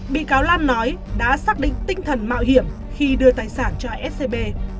bị cáo lan nói đã xác định tinh thần mạo hiểm khi đưa tài sản cho scb